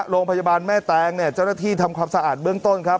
โรงพยาบาลแม่แตงเนี่ยเจ้าหน้าที่ทำความสะอาดเบื้องต้นครับ